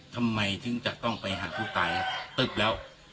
ทำไมถึงจะต้องไปหาผู้ตายตึ๊บแล้ว